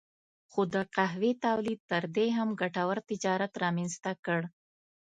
خو د قهوې تولید تر دې هم ګټور تجارت رامنځته کړ.